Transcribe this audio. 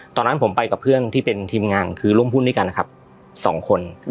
ตอนนั้นผมไปกับเพื่อนที่เป็นทีมงานคือร่วมหุ้นด้วยกันนะครับสองคน